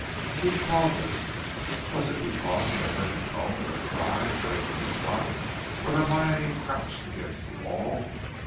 He pauses; was it because he had heard a moan or cry break from the spot where Hermione crouched against the wall?